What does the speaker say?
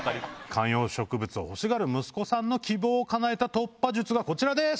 観葉植物を欲しがる息子さんの希望をかなえた突破術がこちらです！